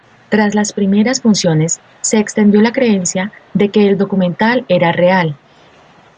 Tras las primeras funciones, se extendió la creencia de que el documental era real.